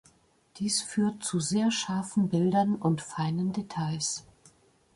Dies führt zu sehr scharfen Bildern und feinen Details.